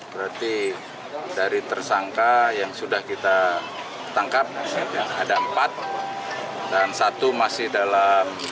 berarti dari tersangka yang sudah kita tangkap ada empat dan satu masih dalam